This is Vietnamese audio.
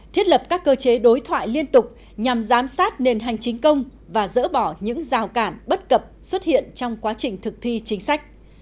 thiết lập các cơ chế đối thoại liên tục nhằm giám sát nền hành chính công và dỡ bỏ những rào cản bất cập xuất hiện trong quá trình thực thi chính sách